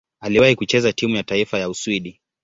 Aliwahi kucheza timu ya taifa ya Uswidi.